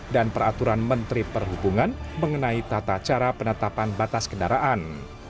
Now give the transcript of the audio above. dan peraturan menteri perhubungan mengenai tata cara penetapan batas kendaraan